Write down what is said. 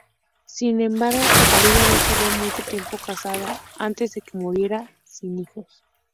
Sin embargo, Catalina no estaría mucho tiempo casada antes de que muriera, sin hijos.